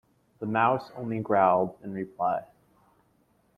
The Mouse only growled in reply.